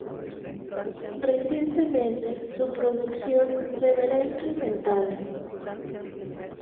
Recientemente su producción se verá incrementada.